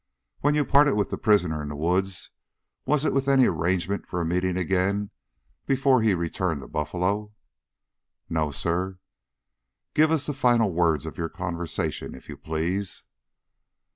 "When you parted with the prisoner in the woods, was it with any arrangement for meeting again before he returned to Buffalo?" "No, sir." "Give us the final words of your conversation, if you please."